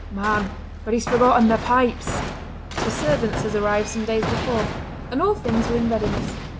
"Man! but he's forgotten the pipes!" The servants had arrived some days before, and all things were in readiness.